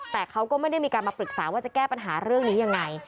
แต่เขาก็ไม่ได้มีการมาปรึกษาว่าจะแก้ปัญหาเรื่องนี้ยังไง